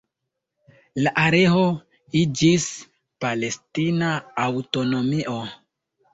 La areo iĝis palestina aŭtonomio.